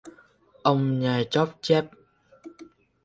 Ông nhai chóp chép...